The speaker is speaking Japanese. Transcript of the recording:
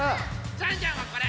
ジャンジャンはこれ。